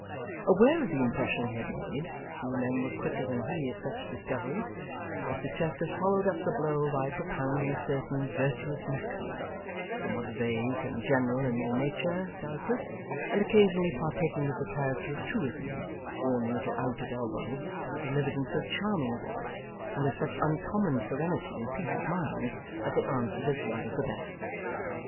Aware of the impression he had made few men were quicker than he at such discoveries Mr Chester followed up the blow by propounding certain virtuous maxims, somewhat vague and general in their nature, doubtless, and occasionally partaking of the character of truisms, worn a little out at elbow, but delivered in so charming a voice and with such uncommon serenity and peace of mind, that they answered as well as the best.